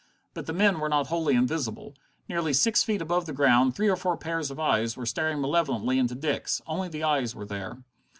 But the men were not wholly invisible. Nearly six feet above the ground, three or four pairs of eyes were staring malevolently into Dick's. Only the eyes were there.